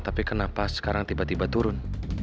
tapi kenapa sekarang tiba tiba turun